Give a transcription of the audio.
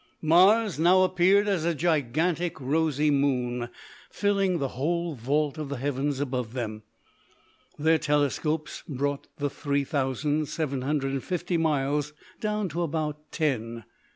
Mars now appeared as a gigantic rosy moon filling the whole vault of the heavens above them. Their telescopes brought the three thousand seven hundred and fifty miles down to about ten.